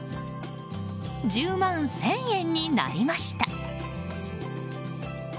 １０万１０００円になりました。